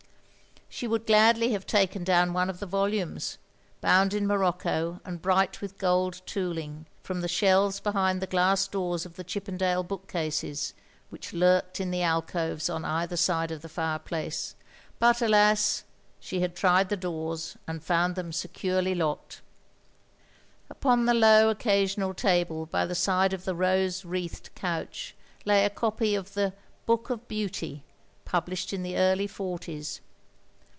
She would gladly have taken down one of the voltimes — ^bound in morocco and bright with gold tooling — ^from the shelves behind the glass doors of the Chippendale bookcases, which lurked in the alcoves on either side of the fireplace, — ^but alas, she had tried the doors, and fotmd them securely locked. Upon the low occasional table by the side of the rose wreathed couch lay a copy of the Book of Beauty^ published in the early forties.